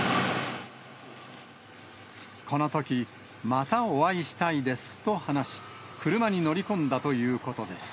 このとき、またお会いしたいですと話し、車に乗り込んだということです。